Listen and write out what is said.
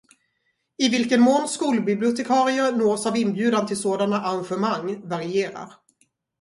I vilken mån skolbibliotekarier nås av inbjudan till sådana arrangemang varierar.